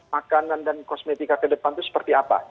makanan dan kosmetika ke depan itu seperti apa